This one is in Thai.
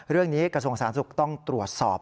เรื่องนี้กระทรวงสารสุขต้องตรวจสอบ